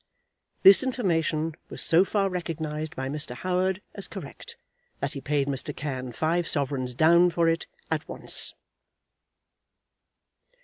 '" This information was so far recognised by Mr. Howard as correct, that he paid Mr. Cann five sovereigns down for it at once.